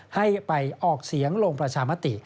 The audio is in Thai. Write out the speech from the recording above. ให้ไปออกเสียงลงประชามติ